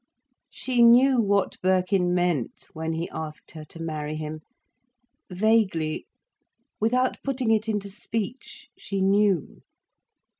She knew what Birkin meant when he asked her to marry him; vaguely, without putting it into speech, she knew.